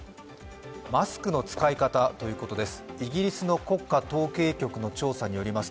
マスクの使い方ということです。